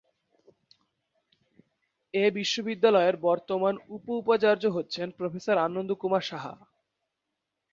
এ বিশ্ববিদ্যালয়ের বর্তমান উপ-উপাচার্য হচ্ছেন প্রফেসর আনন্দ কুমার সাহা।